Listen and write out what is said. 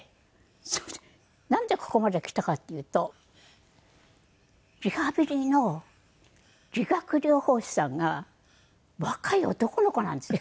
それでなんでここまできたかっていうとリハビリの理学療法士さんが若い男の子なんですよ。